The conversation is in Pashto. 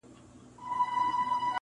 اوس که چپ یمه خاموش یم وخت به راسي,